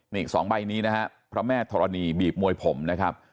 นี่อีก๒ใบนี้นะฮะพระแม่ธรณีบีบมวยผมนะครับ